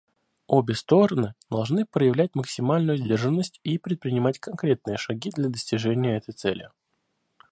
Обе стороны должны проявлять максимальную сдержанность и предпринимать конкретные шаги для достижения этой цели.